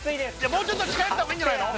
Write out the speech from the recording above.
もうちょっと近寄ったほうがいいんじゃないの？